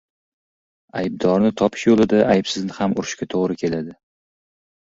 • Aybdorni topish yo‘lida aybsizni ham urishga to‘g‘ri keladi.